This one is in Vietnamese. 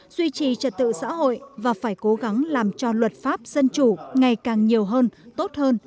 duy trì trật tự xã hội và phải cố gắng làm cho luật pháp dân chủ ngày càng nhiều hơn tốt hơn